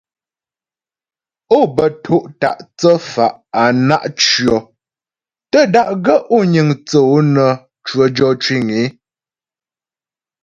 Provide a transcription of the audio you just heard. Ó bə to' ta' thə́fa' á na' tʉɔ, tə́ da'gaə́ ó niŋ thə́ ǒ nə́ cwə jɔ cwiŋ ée.